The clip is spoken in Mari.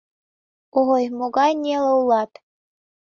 — Ой, могай неле улат...